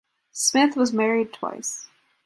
Smith was married twice.